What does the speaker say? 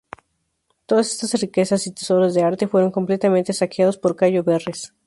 Todas estas riquezas y tesoros de arte fueron completamente saqueados por Cayo Verres.